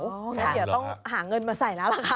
อ๋อเดี๋ยวต้องหาเงินมาใส่แล้วค่ะ